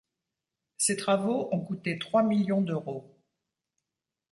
Ces travaux ont coûté trois millions d'euros.